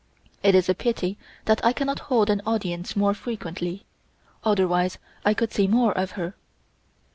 It is a pity that I cannot hold an audience more frequently, otherwise I could see more of her."